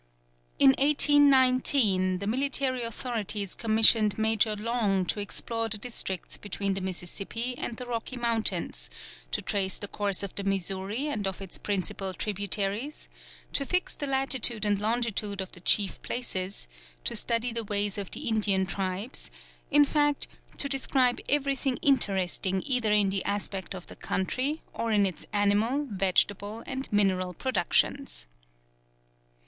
In 1819, the military authorities commissioned Major Long to explore the districts between the Mississippi and the Rocky Mountains, to trace the course of the Missouri and of its principal tributaries, to fix the latitude and longitude of the chief places, to study the ways of the Indian tribes, in fact to describe everything interesting either in the aspect of the country or in its animal, vegetable, and mineral productions.